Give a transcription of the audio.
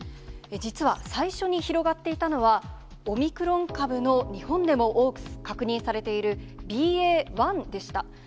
実は最初に広がっていたのは、オミクロン株の日本でも多く確認されている、ＢＡ．１でした。